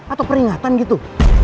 atau peringatan gitu